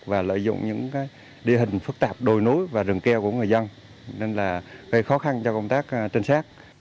và lợi dụng những địa hình phức tạp đồi núi và rừng keo của người dân nên là gây khó khăn cho công tác trinh sát